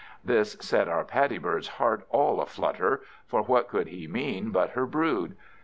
This set our Paddy bird's heart all a flutter, for what could he mean but her brood?